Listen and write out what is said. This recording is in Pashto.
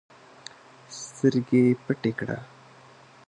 سترګي پټي کړه!